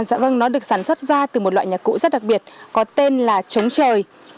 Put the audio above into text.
dạ vâng nó được sản xuất ra từ một loại nhạc cụ rất đặc biệt có tên là trống trời